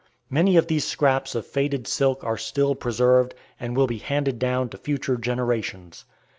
Many of these scraps of faded silk are still preserved, and will be handed down to future generations.